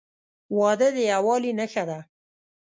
• واده د یووالي نښه ده.